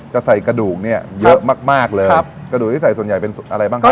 จะใส่กระดูกเนี่ยเยอะมากมากเลยครับกระดูกที่ใส่ส่วนใหญ่เป็นอะไรบ้างครับ